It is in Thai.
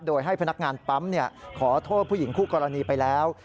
โดยให้พนักงานปั๊มขอโทษผู้หญิงคู่กรณีไปแล้ว